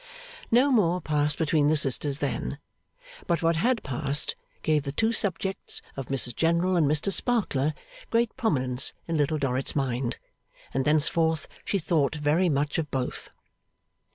No more passed between the sisters then; but what had passed gave the two subjects of Mrs General and Mr Sparkler great prominence in Little Dorrit's mind, and thenceforth she thought very much of both.